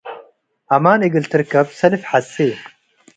አማን እግል ትርከብ ሰልፍ ሐሴ።